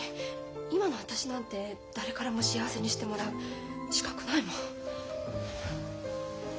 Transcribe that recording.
今の私なんて誰からも幸せにしてもらう資格ないもん。